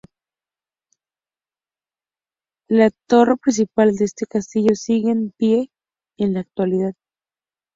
La torre principal de este castillo sigue en pie en la actualidad.